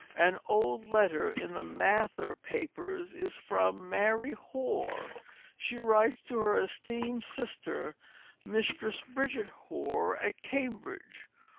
An old letter in the Mather Papers is from Mary Hoar. She writes "To her Esteemed Sister, Mistris Bridget Hoar at Cambridge."